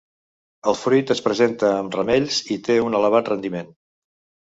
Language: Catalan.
El fruit es presenta en ramells i té un elevat rendiment.